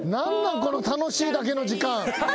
この楽しいだけの時間。